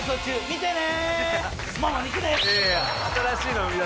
見てね！